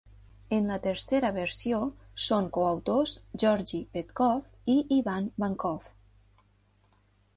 En la tercera versió són coautors Georgi Petkov i Ivan Vankov.